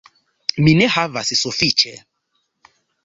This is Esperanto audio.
Mi ne havas sufiĉe.